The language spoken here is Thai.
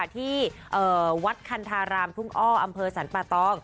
ที่วัดคันธารามภุงอสรรปะต้อง